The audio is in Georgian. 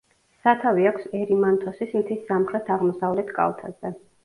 სათავე აქვს ერიმანთოსის მთის სამხრეთ-აღმოსავლეთ კალთაზე.